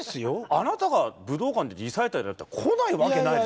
あなたが武道館でリサイタルやったら来ないわけないでしょ。